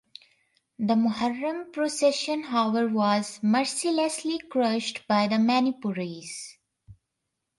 The Muharram procession however was mercilessly crushed by the Manipuris.